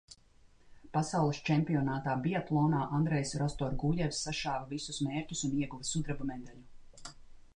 Pasaules čempionātā biatlonā Andrejs Rastorgujevs sašāva visus mērķus un ieguva sudraba medaļu.